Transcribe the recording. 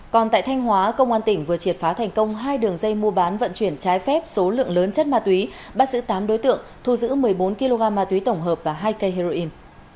còn tại thanh hóa công an tỉnh vừa triệt phá thành công hai đường dây mua bán vận chuyển trái phép số lượng lớn chất ma túy bắt giữ tám đối tượng thu giữ một mươi bốn kg ma túy tổng hợp và hai cây heroin